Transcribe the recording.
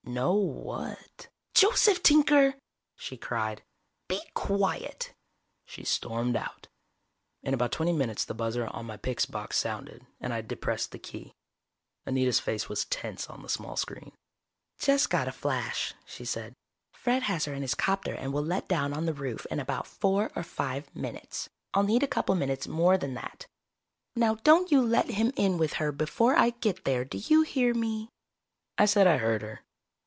"No what...?" "Joseph Tinker!" she cried. "Be quiet!" She stormed out. In about twenty minutes the buzzer on my pix box sounded, and I depressed the key. Anita's face was tense on the small screen. "Just got a flash," she said. "Fred has her in his 'copter and will let down on the roof in about four or five minutes. I'll need a couple minutes more than that. Now don't you let him in with her before I get there, do you hear me?" I said I heard her.